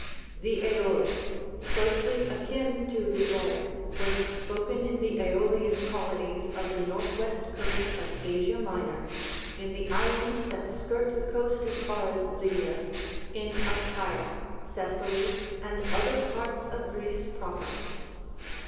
The JEoUc^ closely akin to the Doric, was spoken in the JEolian colonies of the north west coast of Asia Minor, in the islands that skirt the coast as far as Lydia, in Achaia, Thessaly, and other parts of Greece Proper.